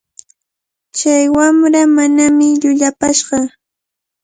Chay wamra mamantami llullapashqa.